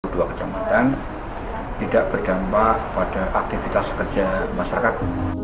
dua kecamatan tidak berdampak pada aktivitas kerja masyarakat